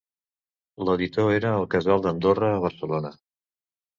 L'editor era el Casal d'Andorra a Barcelona.